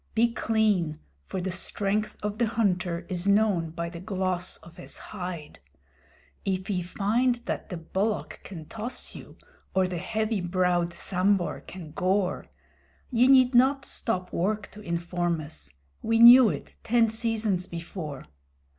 Be clean, for the strength of the hunter is known by the gloss of his hide. If ye find that the Bullock can toss you, or the heavy browed Sambhur can gore; Ye need not stop work to inform us: we knew it ten seasons before.